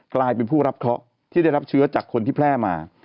กลายเป็นผู้รับเคราะห์ที่ได้รับเชื้อจากคนที่แพร่มา